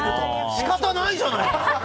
仕方ないじゃないか！